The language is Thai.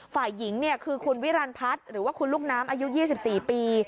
ฝ่ายหญิงคือคุณวิรันพัฒน์หรือว่าคุณลูกน้ำอายุ๒๔ปี